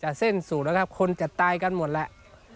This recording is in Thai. จะเส้นสูตรแล้วครับคนจะตายกันหมดแล้ว